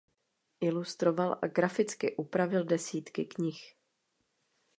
Ilustroval a graficky upravil desítky knih.